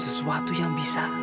sesuatu yang bisa